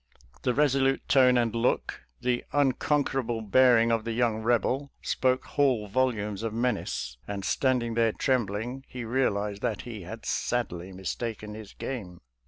The resolute tone and look, the uncon querable bearing of the young Eebel, spoke whole volumes of menace, and standing there trembling, he realized that he had sadly mis taken his game.